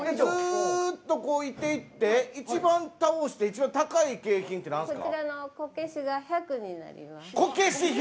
ずっと見ていて一番倒して一番高い景品ってなんですか？